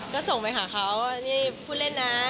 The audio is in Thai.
ก็ส่งไปหาเขาพูดเล่นนะ